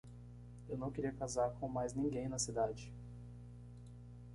Eu não queria casar com mais ninguém na cidade.